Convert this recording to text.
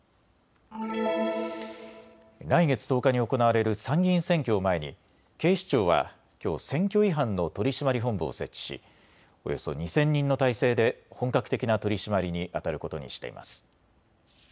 来月１０日に行われる参議院選挙を前に警視庁はきょう選挙違反の取締本部を設置しおよそ２０００人の態勢で本格的な取締りにあたることにしています。